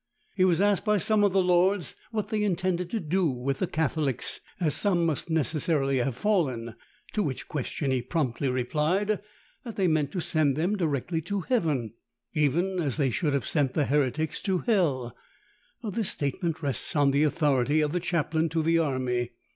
He was asked by some of the lords what they intended to do with the Catholics, as some must necessarily have fallen: to which question he promptly replied, that they meant to send them directly to heaven, even as they should have sent the heretics to hell. This statement rests on the authority of the chaplain to the army.